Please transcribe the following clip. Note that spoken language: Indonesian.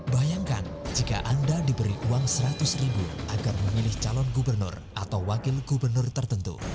bayangkan jika anda diberi uang seratus ribu agar memilih calon gubernur atau wakil gubernur tertentu